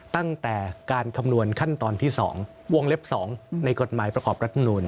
ตั้งแต่การคำนวณขั้นตอนที่๒วงเล็บ๒ในกฎหมายประกอบรัฐมนูล